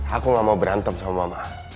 aku gak mau berantem sama mama